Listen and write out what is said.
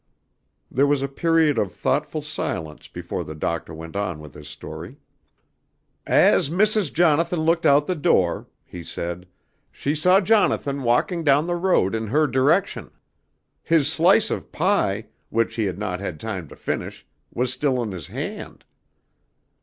There was a period of thoughtful silence before the Doctor went on with his story. "As Mrs. Jonathan looked out the door," he said, "she saw Jonathan walking down the road in her direction. His slice of pie, which he had not had time to finish, was still in his hand.